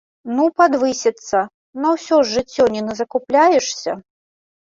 Ну, падвысяцца, на ўсё ж жыццё не назакупляешся!